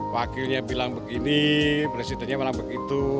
wakilnya bilang begini presidennya bilang begitu